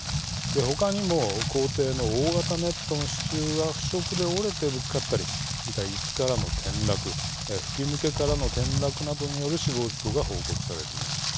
他にも校庭の大型ネットの支柱が腐食で折れてぶつかったりそれから、いすからの転落吹き抜けからの転落などによる死亡事故が報告されています。